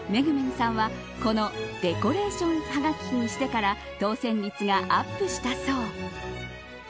さんはこのデコレーションはがきにしてから当選率がアップしたそう。